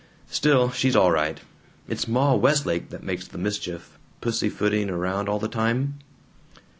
Still, she's all right. It's Ma Westlake that makes the mischief, pussyfooting around all the time.